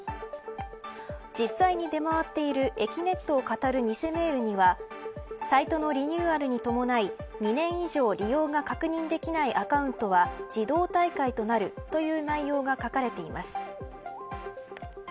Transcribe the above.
実際に出回っているえきねっとをかたる偽メールにはサイトのリニューアルに伴い２年以上利用が確認できないアカウントは自動退会となるという内容が書かれています。